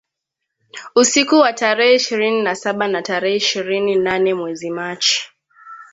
Usiku wa tarehe ishirini na saba na tarehe ishirini nane mwezi Machi